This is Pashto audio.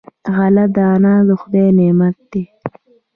غله دانه د خدای نعمت دی.